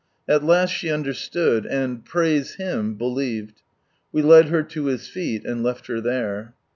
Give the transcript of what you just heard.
At last she understood, and, praise Him, believed. We led her to His feet, and left her there.